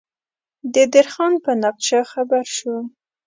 د دیر خان په نقشه خبر شو.